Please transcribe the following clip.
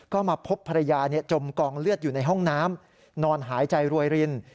ก็มาพบภรรยาจมกองเลือดอยู่ในห้องน้ำนอนหายใจรวยริน